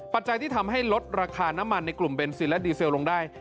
ปัจจัยที่ทำให้ลดราคาน้ำมันในกลุ่มเบนซินและดีเซลลงได้